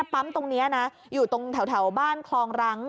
ปั๊มตรงนี้นะอยู่ตรงแถวบ้านคลองรัง